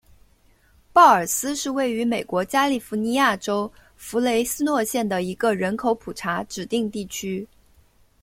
鲍尔斯是位于美国加利福尼亚州弗雷斯诺县的一个人口普查指定地区。